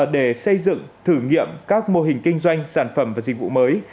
để xây dựng thử nghiệm các mô hình kinh doanh sản phẩm và dịch vụ mới